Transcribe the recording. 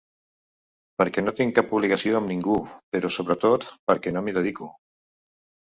Perquè no tinc cap obligació amb ningú, però sobretot perquè no m’hi dedico.